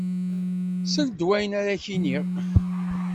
Sel-d i wayen ara k-iniɣ.